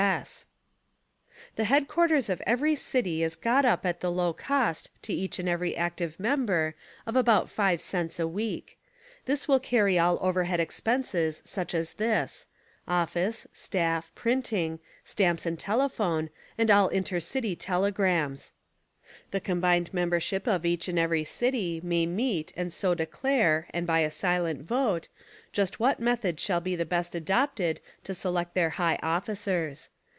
S. S. _ The headquarters of every city is got up at the low cost to each and every active member of about five cents a week. This will carry all overhead expenses such as this : "Office ; staff ; printing ; stamps and telephone ; and all inter city telegrams." The combined membership of each and every city may meet and so declare and by a silent vote, just what method shall be best adopted to select their high officers.